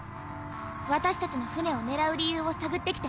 私たちの船を狙う理由を探ってきて。